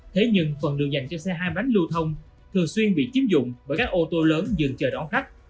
thế nhưng phần đường dành cho xe hai bánh lưu thông thường xuyên bị chiếm dụng bởi các ô tô lớn dừng chờ đón khách